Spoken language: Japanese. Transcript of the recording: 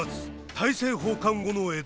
大政奉還後の江戸。